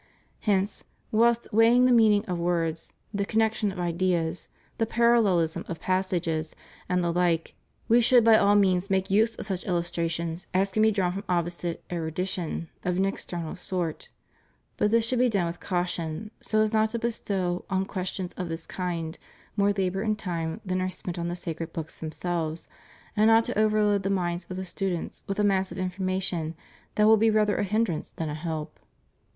Hence, whilst weighing the meaning of words, the connection of ideas, the parallelism of passages, and the like, we should by all means make use of such illustrations as can be drawn from opposite erudition of an external sort; but this should be done with caution, so as not to bestow on ques tions of this kind more labor and time than are spent on the sacred books themselves, and not to overload the minds of the students with a mass of information that will be rather a hindrance than a help.